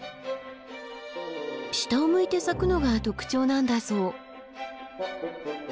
下を向いて咲くのが特徴なんだそう。